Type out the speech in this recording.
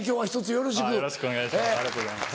よろしくお願いします